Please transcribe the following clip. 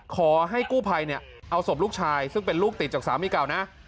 ขอให้กู้ภัยเอาศพลูกชายซึ่งเป็นลูกติดจากสามีเก่านะ